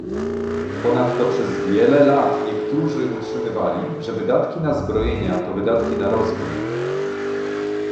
Ponadto przez wiele lat niektórzy utrzymywali, że wydatki na zbrojenia to wydatki na rozwój